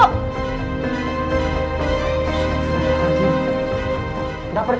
tidak ada lagi